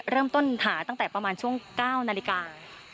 เริ่มต้นหาตั้งแต่ประมาณช่วง๙นาฬิกา